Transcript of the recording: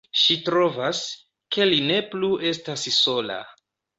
Ŝi trovas, ke li ne plu estas sola.